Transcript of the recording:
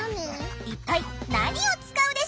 一体何を使うでしょう？